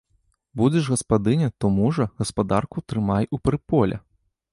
Будзеш гаспадыня, то мужа, гаспадарку трымай у прыполе.